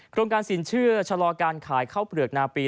โรงการสินเชื่อชะลอการขายข้าวเปลือกนาปี